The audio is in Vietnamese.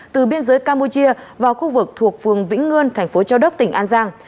từ biên giới campuchia vào khu vực thuộc phường vĩnh ngươn thành phố châu đốc tỉnh an giang